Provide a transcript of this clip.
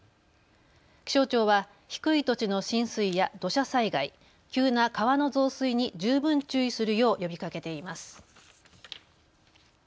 気象庁は低い土地の浸水や土砂災害、急な川の増水に十分注意するよう呼びかけています。